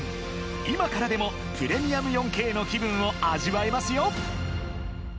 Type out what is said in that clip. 今からでも、プレミアム４Ｋの気分を味わえますよ！